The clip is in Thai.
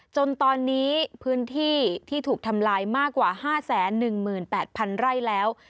จนตอนนี้พื้นที่ที่ถูกทำลายมากกว่า๕๑๘๐๐๐ไร่แล้ว